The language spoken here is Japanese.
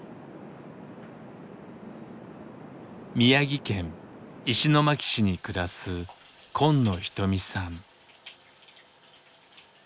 宮城県石巻市に暮らす今野ひとみさん。